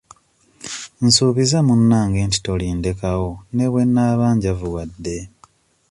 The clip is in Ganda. Nsuubiza munnange nti tolindekawo ne bwe nnaaba njavuwadde.